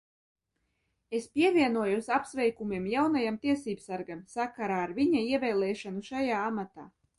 Es pievienojos apsveikumiem jaunajam tiesībsargam sakarā ar viņa ievēlēšanu šajā amatā!